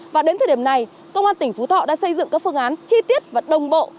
và đến thời điểm này công an tỉnh phú thọ đã xây dựng các phương án chi tiết và đồng bộ